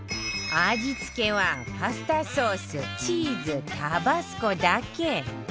味付けはパスタソースチーズタバスコだけ